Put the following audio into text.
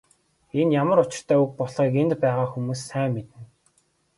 Энэ ямар учиртай үг болохыг энд байгаа хүмүүс сайн мэднэ.